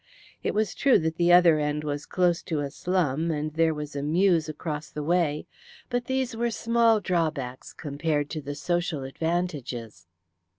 It was true that the other end was close to a slum, and there was a mews across the way, but these were small drawbacks compared to the social advantages.